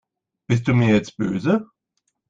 Bist du mir jetzt böse?